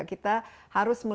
kita berbicara tentang krisis